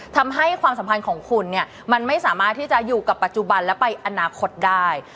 ทำให้ความสัมพันธ์ของคุณเนี่ยมันไม่สามารถที่จะอยู่กับปัจจุบันและไปอนาคตได้